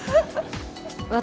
私